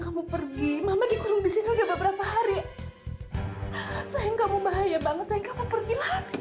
kamu gimana kamu lihat gak ada orang masuk tadi